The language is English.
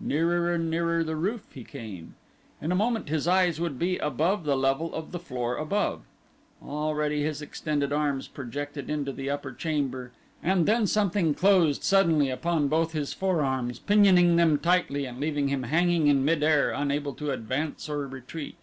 Nearer and nearer the roof he came. In a moment his eyes would be above the level of the floor above. Already his extended arms projected into the upper chamber and then something closed suddenly upon both his forearms, pinioning them tightly and leaving him hanging in mid air unable to advance or retreat.